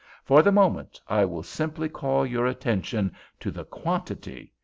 For the moment, I will simply call your attention to the quantity.